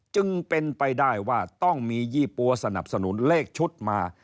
จึงเป็นไปได้ว่าต้องมียี่ปั๊วสนับสนุนเลขชุดมา